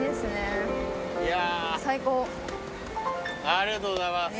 ありがとうございます。